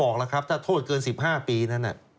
บอกแล้วครับถ้าโทษเกิน๑๕ปีนั้น